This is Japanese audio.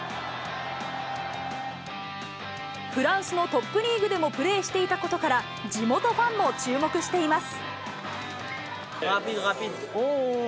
フランスのトップリーグでもプレーしていたことから、地元ファンも注目しています。